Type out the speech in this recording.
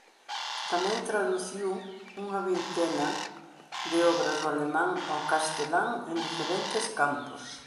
Tamén traduciu unha vintena de obras do alemán ao castelán en diferentes campos.